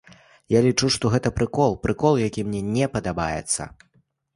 Я лічу, што гэта прыкол, прыкол, які мне не падабаецца.